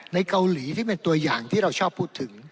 ในเกาหลีที่เป็นตัวอย่างที่เราชอบพูดถึง